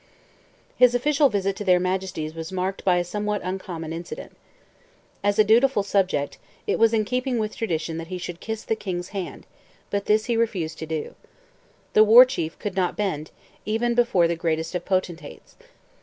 His official visit to their Majesties was marked by a somewhat uncommon incident. As a dutiful subject, it was in keeping with tradition that he should kiss the king's hand, but this he refused to do. The War Chief could not bend, even before the greatest of potentates.